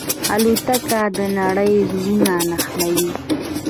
الوتکه د نړۍ زړونه نښلوي.